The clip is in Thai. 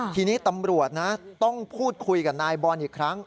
ทีนี้ตำรวจนะต้องพูดคุยกับนายบอลอีกครั้ง